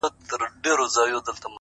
مسافرۍ كي يك تنها پرېږدې،